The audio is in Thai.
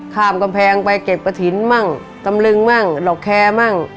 ข้ามกำแพงไปเก็บประถิษฐ์บ้างตำรึงบ้างหลอกแคร์บ้าง